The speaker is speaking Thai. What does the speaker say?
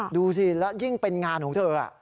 ดูสิแล้วยิ่งเป็นงานของเธอ